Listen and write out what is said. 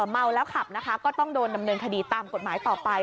เมาแล้วขับนะคะก็ต้องโดนดำเนินคดีตามกฎหมายต่อไป